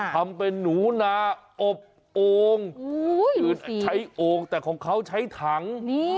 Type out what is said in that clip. ทำเป็นหนูนาอบโอ่งคือใช้โอ่งแต่ของเขาใช้ถัง